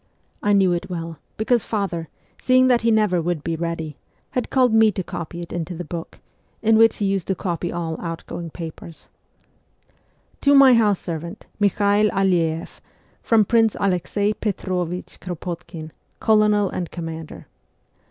I knew it well, because father, seeing that he never would be ready, had called me to copy it into the book, in which he used to copy all ' outgoing papers ':' To my house servant, Mikhael Aleeff, from Prince Alexei Petrovich Kropotkin, Colonel and Commander.